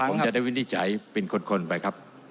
ผมจะได้วินิจฉัยเป็นคนไปครับ